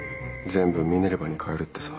全部ミネルヴァに替えるってさ。